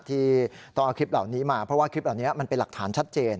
ที่ต้องเอาคลิปเหล่านี้มาเพราะว่าคลิปเหล่านี้มันเป็นหลักฐานชัดเจน